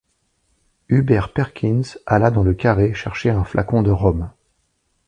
Hubert Perkins alla dans le carré chercher un flacon de rhum.